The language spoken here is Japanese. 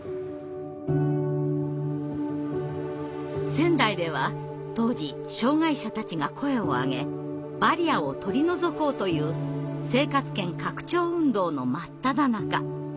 仙台では当時障害者たちが声を上げバリアを取り除こうという生活圏拡張運動の真っただ中。